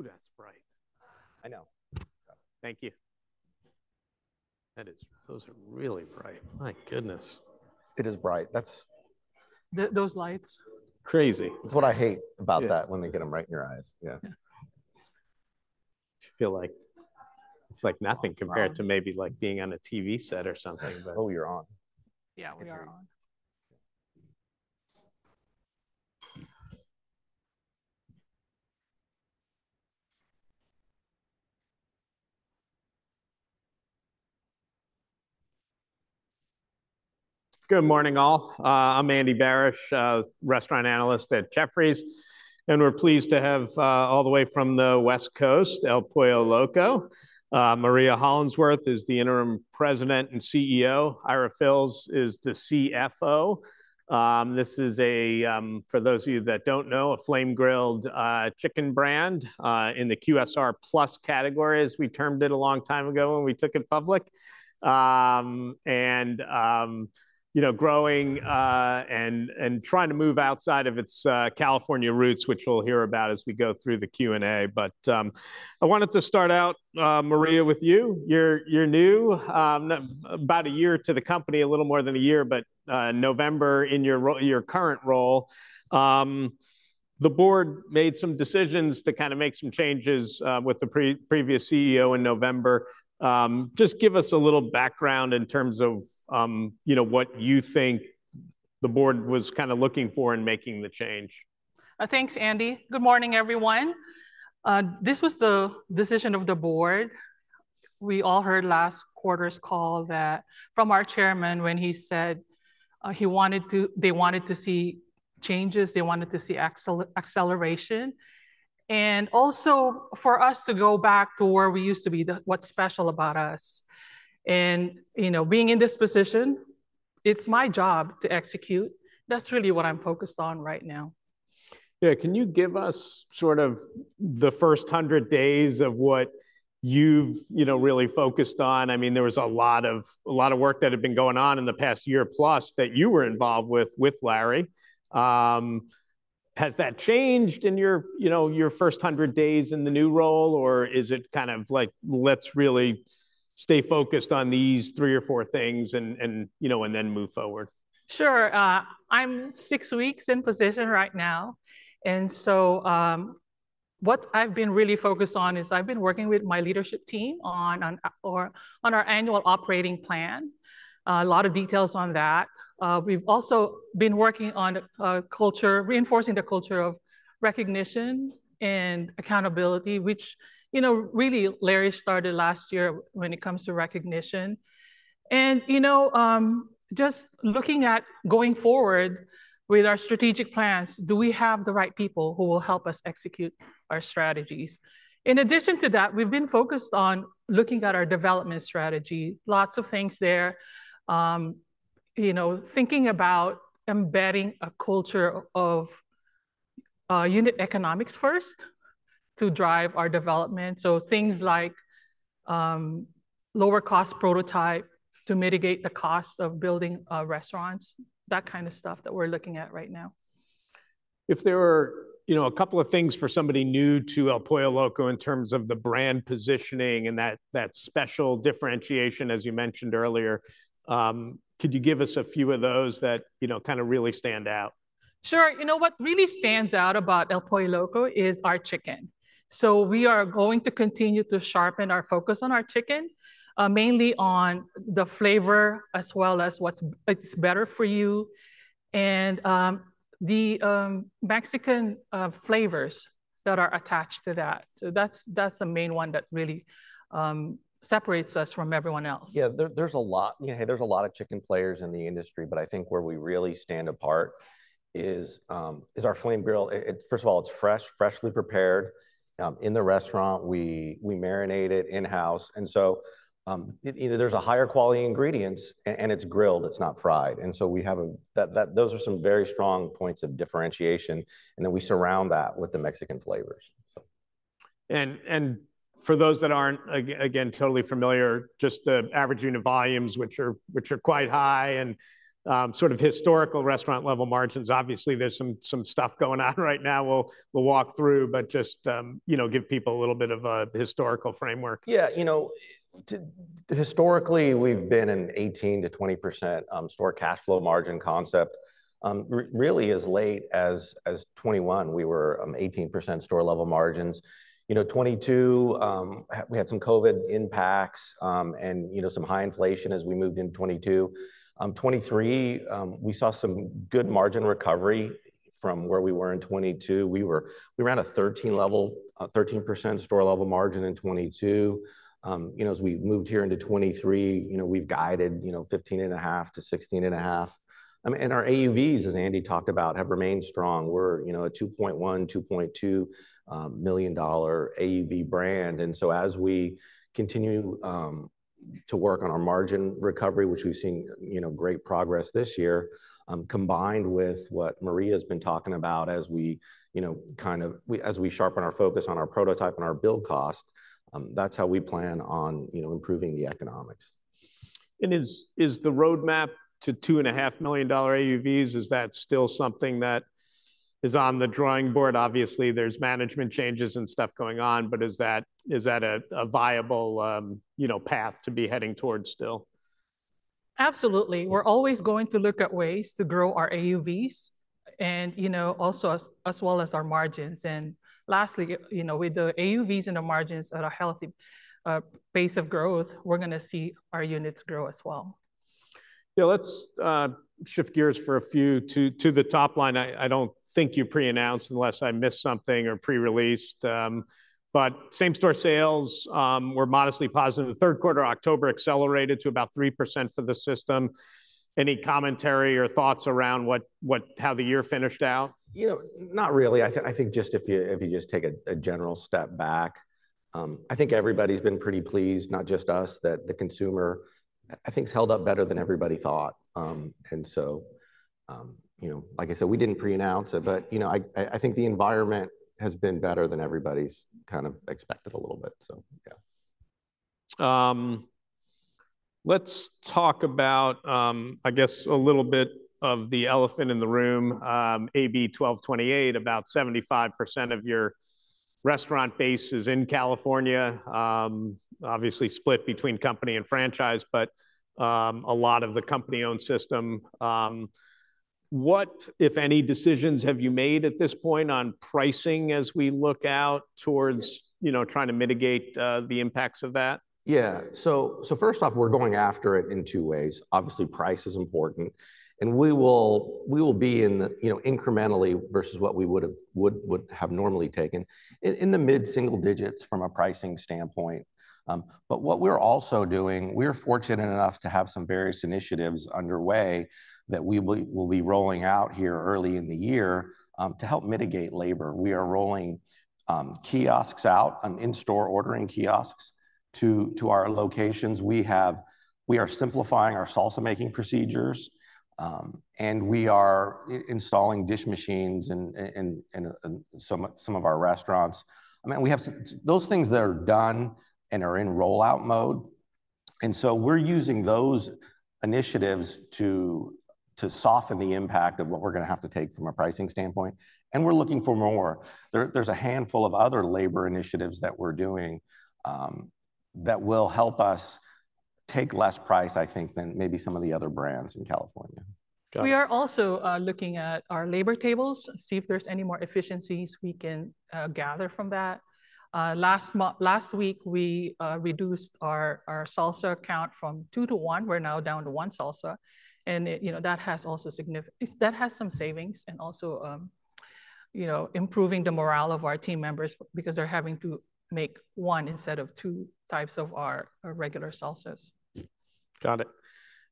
Ooh, that's bright! I know. Thank you. Those are really bright. My goodness. It is bright. Those lights? Crazy. That's what I hate about that- Yeah... when they get 'em right in your eyes. Yeah. Yeah. You feel like, it's like nothing compared to maybe, like, being on a TV set or something, but- Oh, you're on. Yeah, we are on. Good morning, all. I'm Andy Barish, restaurant analyst at Jefferies, and we're pleased to have all the way from the West Coast, El Pollo Loco. Maria Hollandsworth is the interim President and CEO. Ira Fils is the CFO. This is a, for those of you that don't know, a flame-grilled chicken brand in the QSR Plus category, as we termed it a long time ago when we took it public. You know, growing and trying to move outside of its California roots, which we'll hear about as we go through the Q&A. I wanted to start out, Maria, with you. You're new, about a year to the company, a little more than a year, but November in your current role. The board made some decisions to kind of make some changes with the previous CEO in November. Just give us a little background in terms of, you know, what you think the board was kinda looking for in making the change. Thanks, Andy. Good morning, everyone. This was the decision of the board. We all heard last quarter's call that from our chairman when he said, he wanted to, they wanted to see changes, they wanted to see acceleration. And also for us to go back to where we used to be, the, what's special about us. And, you know, being in this position, it's my job to execute. That's really what I'm focused on right now. Yeah, can you give us sort of the first 100 days of what you've, you know, really focused on? I mean, there was a lot of, a lot of work that had been going on in the past year plus that you were involved with, with Larry. Has that changed in your, you know, your first 100 days in the new role, or is it kind of like, let's really stay focused on these three or four things and, and, you know, and then move forward? Sure. I'm six weeks in position right now, and so, what I've been really focused on is I've been working with my leadership team on our annual operating plan. A lot of details on that. We've also been working on culture, reinforcing the culture of recognition and accountability, which, you know, really, Larry started last year when it comes to recognition. You know, just looking at going forward with our strategic plans, do we have the right people who will help us execute our strategies? In addition to that, we've been focused on looking at our development strategy. Lots of things there. You know, thinking about embedding a culture of unit economics first to drive our development. Things like lower cost prototype to mitigate the cost of building restaurants, that kind of stuff that we're looking at right now. If there were, you know, a couple of things for somebody new to El Pollo Loco in terms of the brand positioning and that special differentiation, as you mentioned earlier, could you give us a few of those that, you know, kind of really stand out? Sure. You know, what really stands out about El Pollo Loco is our chicken. So we are going to continue to sharpen our focus on our chicken, mainly on the flavor as well as what's better for you, and the Mexican flavors that are attached to that. So that's the main one that really separates us from everyone else. Yeah, there's a lot of chicken players in the industry, but I think where we really stand apart is our flame-grill. First of all, it's fresh, freshly prepared in the restaurant. We marinate it in-house, and so it you know, there's a higher quality ingredients and it's grilled, it's not fried. And so we have that, that those are some very strong points of differentiation, and then we surround that with the Mexican flavors, so. And for those that aren't again totally familiar, just the average unit volumes, which are quite high, and sort of historical restaurant-level margins. Obviously, there's some stuff going on right now we'll walk through, but just you know give people a little bit of a historical framework. Yeah, you know, historically, we've been an 18%-20% store cash flow margin concept. Really as late as 2021, we were 18% store-level margins. You know, 2022, we had some COVID impacts, and, you know, some high inflation as we moved into 2022. 2023, we saw some good margin recovery from where we were in 2022. We ran a 13% level, a 13% store-level margin in 2022. You know, as we moved here into 2023, you know, we've guided 15.5%-16.5%. And our AUVs, as Andy talked about, have remained strong. We're, you know, a $2.1-$2.2 million AUV brand. So as we continue to work on our margin recovery, which we've seen, you know, great progress this year, combined with what Maria's been talking about as we, you know, kind of as we sharpen our focus on our prototype and our build cost, that's how we plan on, you know, improving the economics. Is the roadmap to $2.5 million AUVs still something that is on the drawing board? Obviously, there's management changes and stuff going on, but is that a viable, you know, path to be heading towards still? Absolutely. We're always going to look at ways to grow our AUVs and, you know, also as well as our margins. And lastly, you know, with the AUVs and the margins at a healthy pace of growth, we're going to see our units grow as well. Yeah, let's shift gears for a few to the top line. I don't think you pre-announced, unless I missed something or pre-released, but same-store sales were modestly positive. The third quarter, October accelerated to about 3% for the system. Any commentary or thoughts around what how the year finished out? You know, not really. I think just if you, if you just take a general step back, I think everybody's been pretty pleased, not just us, that the consumer, I think, has held up better than everybody thought. And so, you know, like I said, we didn't preannounce it, but, you know, I think the environment has been better than everybody's kind of expected a little bit. So, yeah. Let's talk about, I guess, a little bit of the elephant in the room, AB 1228, about 75% of your restaurant base is in California. Obviously, split between company and franchise, but, a lot of the company-owned system. What, if any, decisions have you made at this point on pricing as we look out towards, you know, trying to mitigate, the impacts of that? Yeah. So first off, we're going after it in two ways. Obviously, price is important, and we will be in the, you know, incrementally versus what we would have normally taken in the mid-single digits from a pricing standpoint. But what we're also doing, we're fortunate enough to have some various initiatives underway that we will be rolling out here early in the year to help mitigate labor. We are rolling out in-store ordering kiosks to our locations. We are simplifying our salsa making procedures, and we are installing dish machines in some of our restaurants. I mean, we have those things that are done and are in rollout mode, and so we're using those initiatives to, to soften the impact of what we're going to have to take from a pricing standpoint, and we're looking for more. There's a handful of other labor initiatives that we're doing, that will help us take less price, I think, than maybe some of the other brands in California. Got it. We are also looking at our labor tables to see if there's any more efficiencies we can gather from that. Last week, we reduced our salsa count from two to one. We're now down to one salsa, and, you know, that has some savings and also, you know, improving the morale of our team members because they're having to make one instead of two types of our regular salsas. Got it.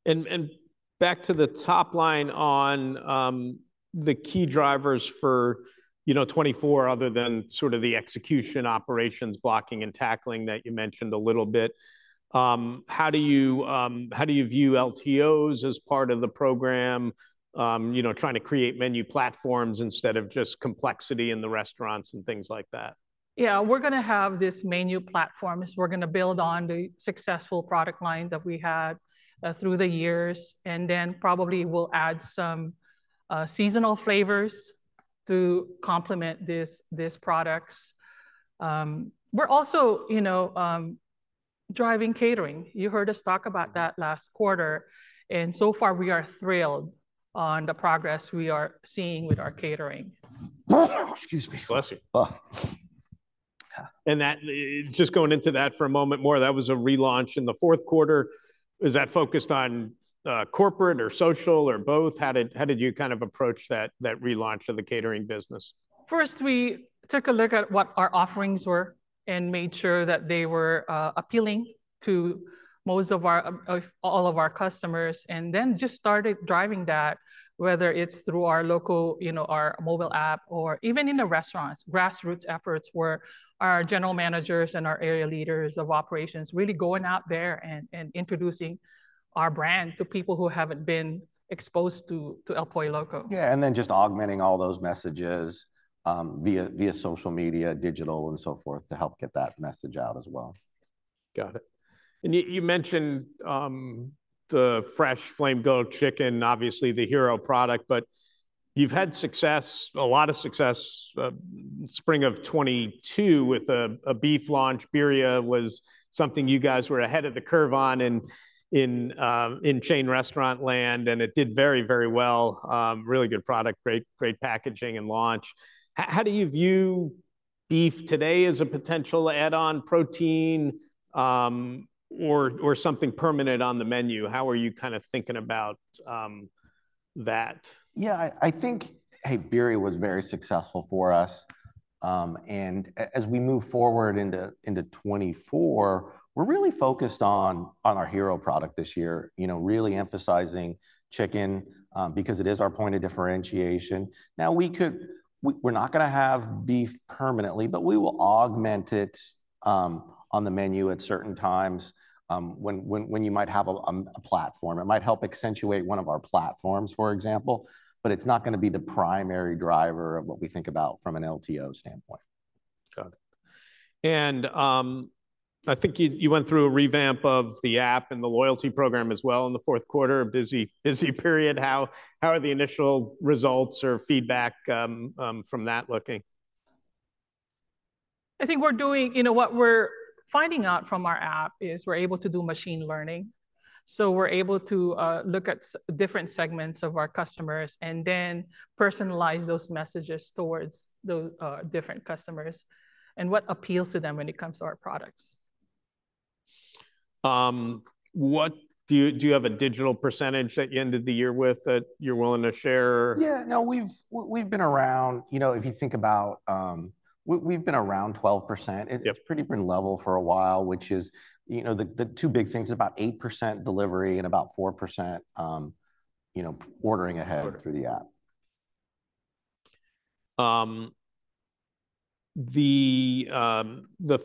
And back to the top line on the key drivers for, you know, 2024, other than sort of the execution, operations, blocking, and tackling that you mentioned a little bit, how do you view LTOs as part of the program? You know, trying to create menu platforms instead of just complexity in the restaurants and thing. like that. Yeah, we're going to have this menu platforms. We're going to build on the successful product line that we had through the years, and then probably we'll add some seasonal flavors to complement these, these products. We're also, you know, driving catering. You heard us talk about that last quarter, and so far we are thrilled on the progress we are seeing with our catering. Excuse me. Bless you. Uh. That, just going into that for a moment more, that was a relaunch in the fourth quarter. Is that focused on corporate or social or both? How did you kind of approach that relaunch of the catering business? First, we took a look at what our offerings were and made sure that they were appealing to most of our of all of our customers, and then just started driving that, whether it's through our local, you know, our mobile app or even in the restaurants. Grassroots efforts, where our general managers and our area leaders of operations really going out there and introducing our brand to people who haven't been exposed to El Pollo Loco. Yeah, and then just augmenting all those messages via social media, digital, and so forth, to help get that message out as well. Got it. And you mentioned the fresh flame-grilled chicken, obviously the hero product, but you've had success, a lot of success, spring of 2022 with a beef launch. Birria was something you guys were ahead of the curve on in chain restaurant land, and it did very, very well. Really good product, great, great packaging and launch. How do you view beef today as a potential add-on protein, or something permanent on the menu? How are you kind of thinking about that? Yeah, I think Birria was very successful for us. And as we move forward into 2024, we're really focused on our hero product this year. You know, really emphasizing chicken, because it is our point of differentiation. Now, we could... We're not going to have beef permanently, but we will augment it on the menu at certain times, when you might have a platform. It might help accentuate one of our platforms, for example, but it's not going to be the primary driver of what we think about from an LTO standpoint. Got it. And I think you went through a revamp of the app and the loyalty program as well in the fourth quarter, a busy, busy period. How are the initial results or feedback from that looking? I think we're doing... You know, what we're finding out from our app is we're able to do machine learning. So we're able to look at different segments of our customers and then personalize those messages towards the different customers and what appeals to them when it comes to our products. What do you, do you have a digital percentage that you ended the year with, that you're willing to share? Yeah, no, we've been around, you know, if you think about, we've been around 12%. Yep. It's pretty been level for a while, which is, you know, the two big things, about 8% delivery and about 4%, you know, ordering ahead through the app. The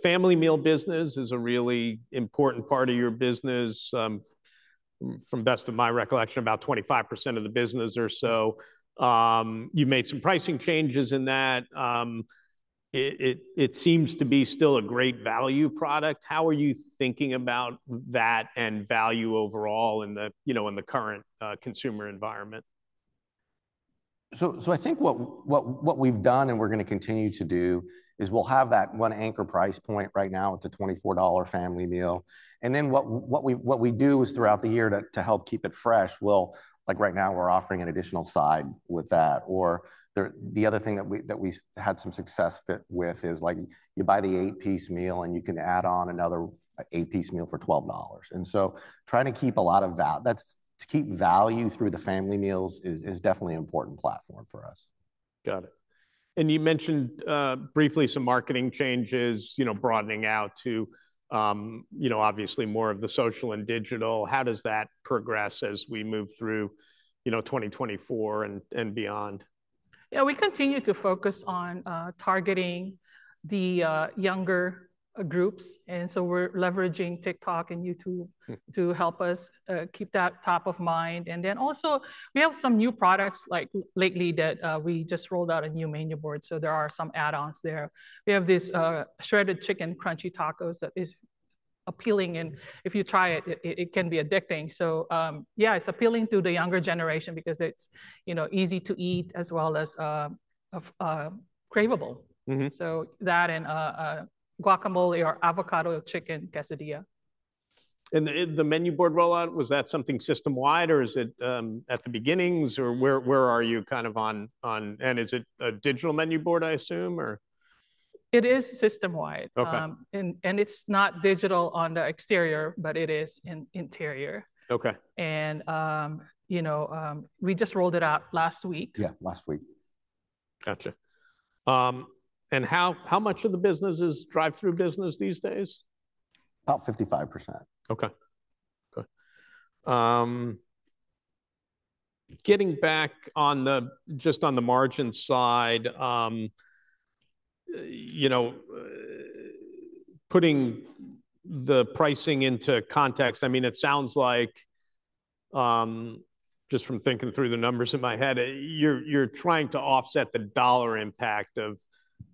family meal business is a really important part of your business, from best of my recollection, about 25% of the business or so. You made some pricing changes in that. It seems to be still a great value product. How are you thinking about that and value overall in the, you know, in the current consumer environment? So I think what we've done and we're gonna continue to do is we'll have that one anchor price point right now with the $24 family meal. And then what we do is throughout the year to help keep it fresh, we'll like right now, we're offering an additional side with that, or the other thing that we had some success with is, like, you buy the eight-piece meal, and you can add on another eight-piece meal for $12. And so trying to keep a lot of value through the family meals is definitely an important platform for us. Got it. You mentioned briefly some marketing changes, you know, broadening out to, you know, obviously, more of the social and digital. How does that progress as we move through, you know, 2024 and beyond? Yeah, we continue to focus on targeting the younger groups, and so we're leveraging TikTok and YouTube To help us keep that top of mind. And then also, we have some new products, like lately that we just rolled out a new menu board, so there are some add-ons there. We have this Shredded Chicken Crunchy Tacos that is appealing, and if you try it, it can be addicting. So, yeah, it's appealing to the younger generation because it's, you know, easy to eat as well as craveable. Chicken Avocado Quesadilla. And the menu board rollout, was that something system-wide, or is it at the beginnings, or where are you kind of on it? And is it a digital menu board, I assume, or? It is system-wide. Okay. It's not digital on the exterior, but it is in interior. Okay. You know, we just rolled it out last week. Yeah, last week. Gotcha. And how much of the business is drive-through business these days? About 55%. Okay. Good. Getting back on the, just on the margin side, you know, putting the pricing into context, I mean, it sounds like, just from thinking through the numbers in my head, you're, you're trying to offset the dollar impact of,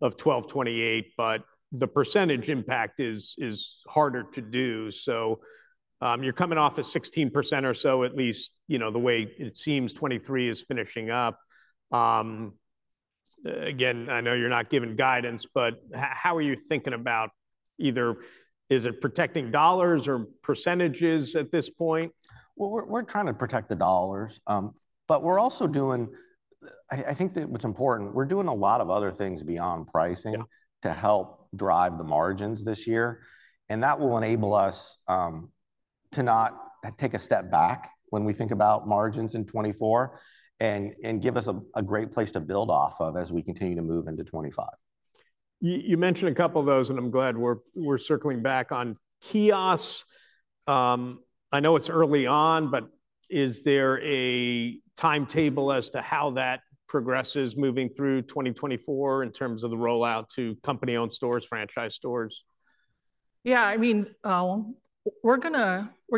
of 1228, but the percentage impact is, is harder to do. So, you're coming off at 16% or so at least, you know, the way it seems 2023 is finishing up. Again, I know you're not giving guidance, but how are you thinking about either is it protecting dollars or percentages at this point? Well, we're trying to protect the dollars, but we're also doing, I think that what's important, we're doing a lot of other things beyond pricing- Yeah To help drive the margins this year, and that will enable us to not take a step back when we think about margins in 2024, and give us a great place to build off of as we continue to move into 2025. You, you mentioned a couple of those, and I'm glad we're, we're circling back. On kiosks, I know it's early on, but is there a timetable as to how that progresses moving through 2024 in terms of the rollout to company-owned stores, franchise stores? Yeah, I mean, we're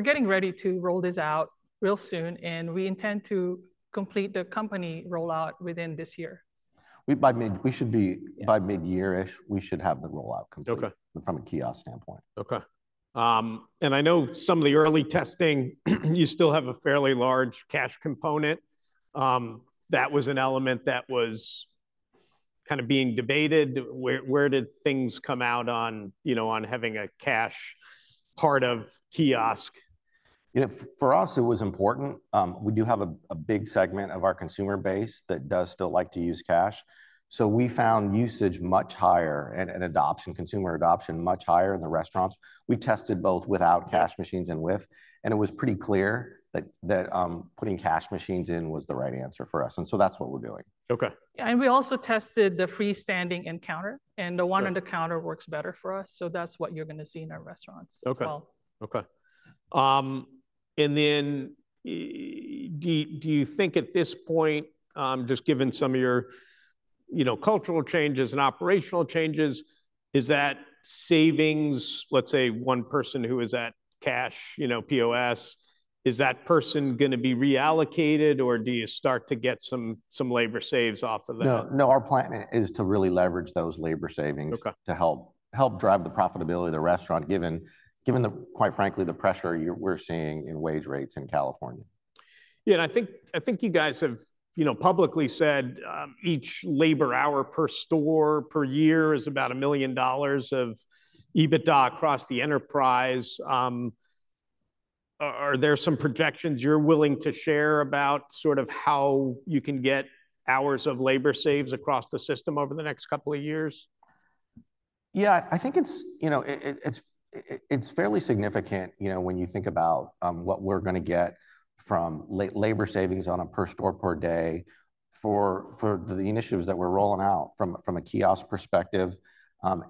getting ready to roll this out real soon, and we intend to complete the company rollout within this year. By mid, we should be. Yeah By mid-year-ish, we should have the rollout complete. Okay... from a kiosk standpoint. Okay. I know some of the early testing, you still have a fairly large cash component. That was an element that was kind of being debated. Where, where did things come out on, you know, on having a cash part of kiosk? You know, for us, it was important. We do have a big segment of our consumer base that does still like to use cash, so we found usage much higher, and adoption, consumer adoption, much higher in the restaurants. We tested both without cash machines and with, and it was pretty clear that putting cash machines in was the right answer for us, and so that's what we're doing. Okay. Yeah, and we also tested the freestanding and counter, and the- Sure One on the counter works better for us, so that's what you're gonna see in our restaurants as well. Okay. Okay. And then, do you think at this point, just given some of your, you know, cultural changes and operational changes, is that savings, let's say, one person who is at cash, you know, POS? Is that person gonna be reallocated, or do you start to get some labor saves off of that? No, no, our plan is to really leverage those labor savings- Okay. to help drive the profitability of the restaurant, given, quite frankly, the pressure we're seeing in wage rates in California. Yeah, and I think, I think you guys have, you know, publicly said, each labor hour per store per year is about $1 million of EBITDA across the enterprise. Are there some projections you're willing to share about sort of how you can get hours of labor saves across the system over the next couple of years? Yeah, I think it's, you know, it, it's fairly significant, you know, when you think about what we're going to get from labor savings on a per store per day for the initiatives that we're rolling out from a kiosk perspective,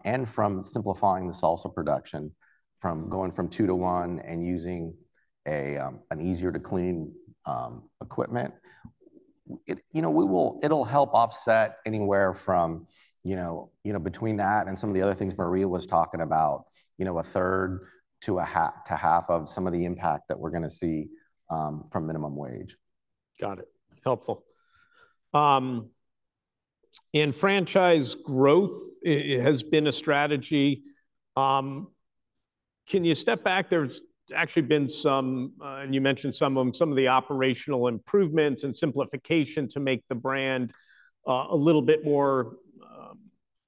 and from simplifying the salsa production, from going from two to one and using a an easier-to-clean equipment. It. You know, it'll help offset anywhere from, you know, between that and some of the other things Maria was talking about, you know, a third to a half of some of the impact that we're going to see from minimum wage. Got it. Helpful. And franchise growth has been a strategy. Can you step back? There's actually been some. And you mentioned some of the operational improvements and simplification to make the brand a little bit more,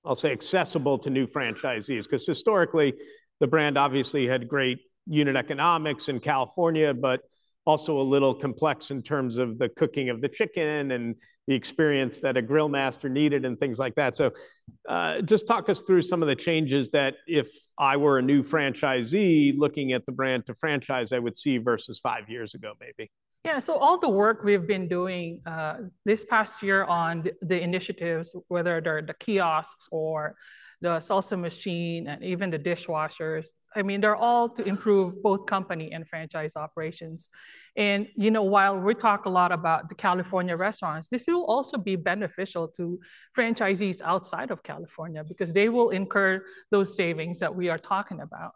I'll say, accessible to new franchisees. Because historically, the brand obviously had great unit economics in California, but also a little complex in terms of the cooking of the chicken and the experience that a grill master needed and things like that. So, just talk us through some of the changes that if I were a new franchisee looking at the brand to franchise, I would see versus five years ago, maybe. Yeah, so all the work we've been doing this past year on the initiatives, whether they're the kiosks or the salsa machine and even the dishwashers, I mean, they're all to improve both company and franchise operations. And, you know, while we talk a lot about the California restaurants, this will also be beneficial to franchisees outside of California because they will incur those savings that we are talking about.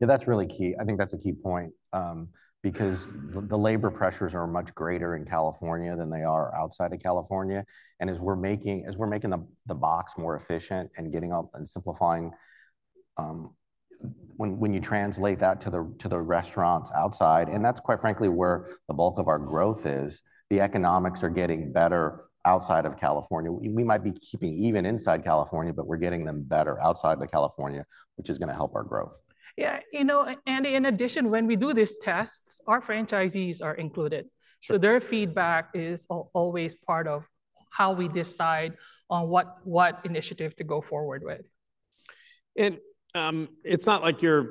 Yeah, that's really key. I think that's a key point, because the labor pressures are much greater in California than they are outside of California. And as we're making the box more efficient and getting up and simplifying, when you translate that to the restaurants outside, and that's quite frankly where the bulk of our growth is, the economics are getting better outside of California. We might be keeping even inside California, but we're getting them better outside of California, which is going to help our growth. Yeah, you know, and in addition, when we do these tests, our franchisees are included. Sure. So their feedback is always part of how we decide on what initiative to go forward with. It's not like you're,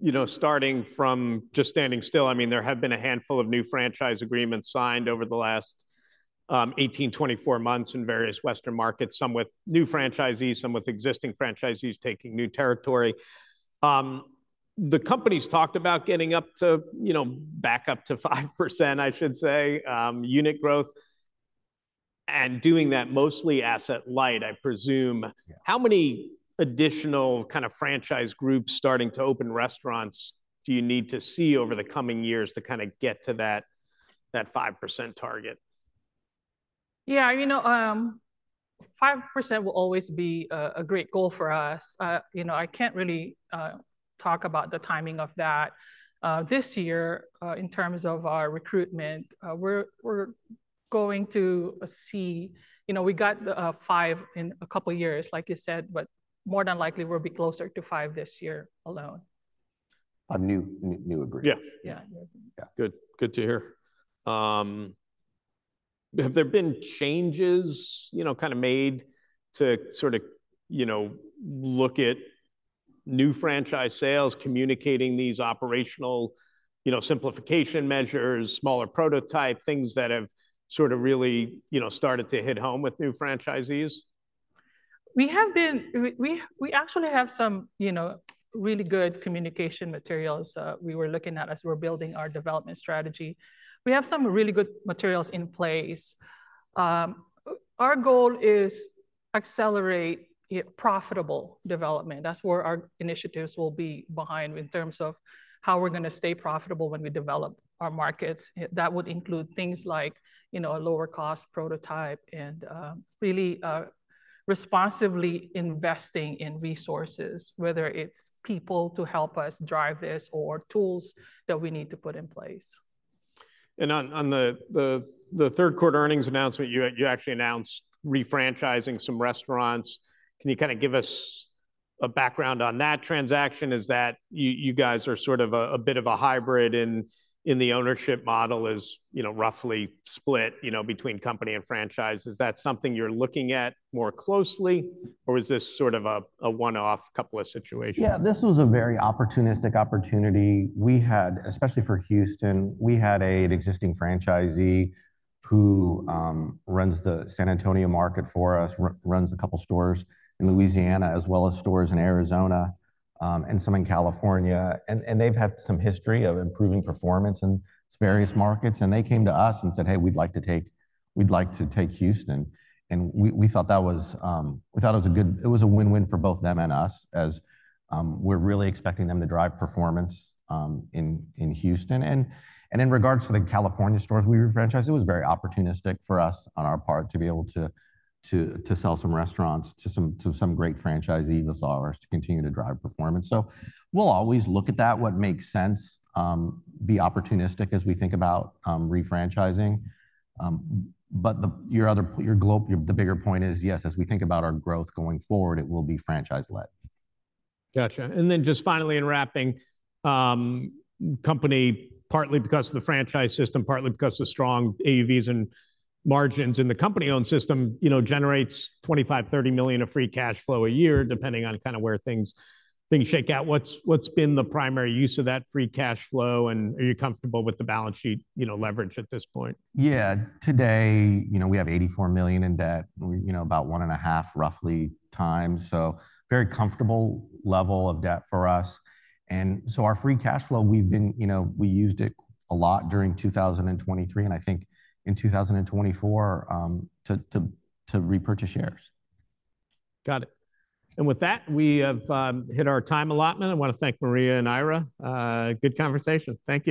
you know, starting from just standing still. I mean, there have been a handful of new franchise agreements signed over the last 18-24 months in various Western markets, some with new franchisees, some with existing franchisees taking new territory. The company's talked about getting up to, you know, back up to 5%, I should say, unit growth, and doing that mostly asset light, I presume. Yeah. How many additional kind of franchise groups starting to open restaurants do you need to see over the coming years to kind of get to that, that 5% target? Yeah, you know, 5% will always be a great goal for us. You know, I can't really talk about the timing of that. This year, in terms of our recruitment, we're going to see. You know, we got five in a couple of years, like you said, but more than likely, we'll be closer to five this year alone. On new agreements. Yeah. Yeah. Yeah. Good. Good to hear. Have there been changes, you know, kind of made to sort of, you know, look at new franchise sales, communicating these operational, you know, simplification measures, smaller prototype, things that have sort of really, you know, started to hit home with new franchisees? We actually have some, you know, really good communication materials, we were looking at as we're building our development strategy. We have some really good materials in place. Our goal is accelerate profitable development. That's where our initiatives will be behind in terms of how we're going to stay profitable when we develop our markets. That would include things like, you know, a lower-cost prototype and really responsibly investing in resources, whether it's people to help us drive this or tools that we need to put in place. On the third quarter earnings announcement, you actually announced refranchising some restaurants. Can you kind of give us a background on that transaction? Is that you guys are sort of a bit of a hybrid in the ownership model, as you know, roughly split, you know, between company and franchise. Is that something you're looking at more closely, or is this sort of a one-off couple of situations? Yeah, this was a very opportunistic opportunity. We had, especially for Houston, we had an existing franchisee who runs the San Antonio market for us, runs a couple stores in Louisiana, as well as stores in Arizona, and some in California. And they've had some history of improving performance in various markets, and they came to us and said: "Hey, we'd like to take Houston." And we thought that was. We thought it was a win-win for both them and us, as we're really expecting them to drive performance in Houston. And in regards to the California stores we refranchised, it was very opportunistic for us on our part to be able to sell some restaurants to some great franchisees of ours to continue to drive performance. So we'll always look at that, what makes sense, be opportunistic as we think about refranchising. But the bigger point is, yes, as we think about our growth going forward, it will be franchise-led. Gotcha. And then just finally in wrapping, company, partly because of the franchise system, partly because of strong AUVs and margins in the company-owned system, you know, generates $25-$30 million of free cash flow a year, depending on kind of where things shake out. What's been the primary use of that free cash flow, and are you comfortable with the balance sheet, you know, leverage at this point? Yeah. Today, you know, we have $84 million in debt, you know, about 1.5, roughly, times. So very comfortable level of debt for us. And so our free cash flow, we've been, you know, we used it a lot during 2023, and I think in 2024, to repurchase shares. Got it. With that, we have hit our time allotment. I want to thank Maria and Ira. Good conversation. Thank you.